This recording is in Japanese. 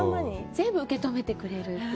全部、受け止めてくれるという。